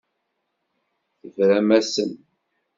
Tebram-asen.